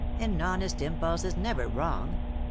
"An honest impulse is never wrong."